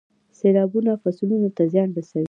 سیلابونه فصلونو ته زیان رسوي.